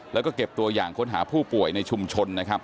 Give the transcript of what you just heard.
และเก็บตัวยางค้นหาผู้ป่วยในชุมชน